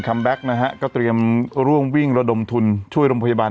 คัมแบคนะฮะก็เตรียมร่วมวิ่งรดมทุนช่วยรมพยบาน